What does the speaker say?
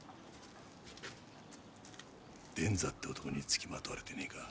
伝左って男につきまとわれてねえか？